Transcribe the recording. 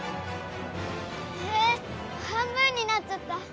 え半分になっちゃった。